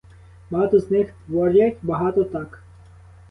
Багато з них творять, багато — так.